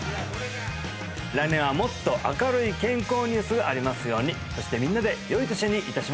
来年はもっと明るい健康ニュースがありますようにそしてみんなでよい年にいたし